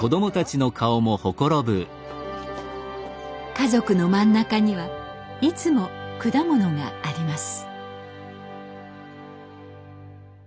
家族の真ん中にはいつも果物があります。